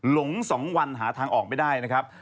หลง๒วันหาทางออกไม่ได้นะครับ